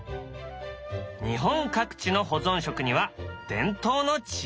日本各地の保存食には伝統の知恵がある。